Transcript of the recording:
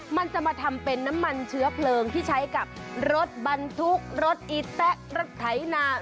มันจะมาทำเป็นน้ำมันเชื้อเพลิงที่ใช้กับรถบรรทุกรถอีแต๊ะรถไถนา